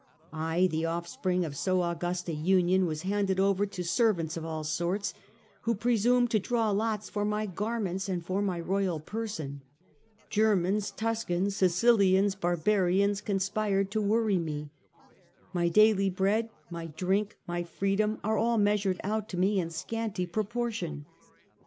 I, the offspring of so august a union, was handed over to servants of all sorts, who presumed to draw lots for my garments and for my royal person. Germans, Tuscans, Sicilians, barbarians, conspired to worry me. My daily bread, my drink, my freedom, are all measured out to me in scanty proportion.